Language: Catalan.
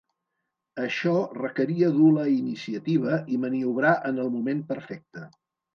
Això requeria dur la iniciativa i maniobrar en el moment perfecte.